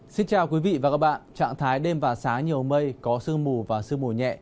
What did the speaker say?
xin chào quý vị và các bạn trạng thái đêm và sáng nhiều mây có sương mù và sương mù nhẹ